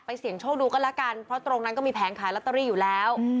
เสี่ยงโชคดูก็แล้วกันเพราะตรงนั้นก็มีแผงขายลอตเตอรี่อยู่แล้ว